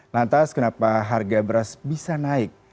lantas kenapa harga beras bisa naik